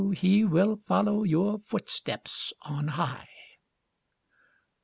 he will follow your footsteps on high.